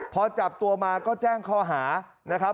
พอจับตัวมาก็แจ้งข้อหา